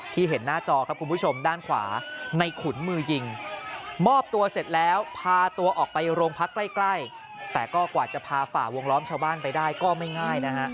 เห็นหน้าจอครับคุณผู้ชมด้านขวาในขุนมือยิงมอบตัวเสร็จแล้วพาตัวออกไปโรงพักใกล้แต่ก็กว่าจะพาฝ่าวงล้อมชาวบ้านไปได้ก็ไม่ง่ายนะฮะ